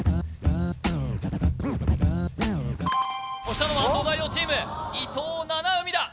押したのは東大王チーム伊藤七海だ！